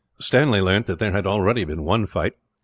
Stanley learnt that there had already been one fight.